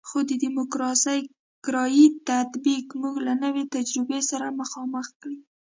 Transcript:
خو د ډیموکراسي کرایي تطبیق موږ له نوې تجربې سره مخامخ کړی.